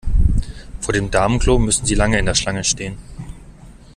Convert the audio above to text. Vor dem Damenklo müssen Sie lange in der Schlange stehen.